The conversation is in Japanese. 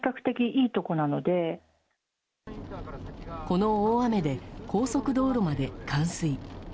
この大雨で高速道路まで冠水。